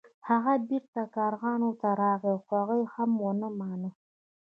هغه بیرته کارغانو ته راغی خو هغوی هم ونه مانه.